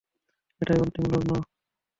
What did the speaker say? এটাই অন্তিম লগ্ন!